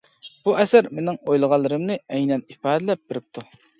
بۇ ئەسەر مېنىڭ ئويلىغانلىرىمنى ئەينەن ئىپادىلەپ بېرىپتۇ.